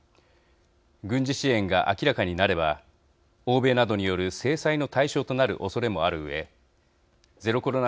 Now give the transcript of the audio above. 軍事支援が明らかになれば欧米などによる制裁の対象となるおそれもあるうえゼロコロナ